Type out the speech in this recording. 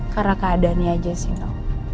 karena keadaannya aja sih no